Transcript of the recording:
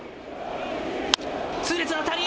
痛烈な当たり。